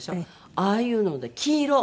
ああいうので黄色。